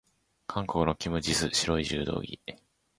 韓国のキム・ジス、白い柔道着。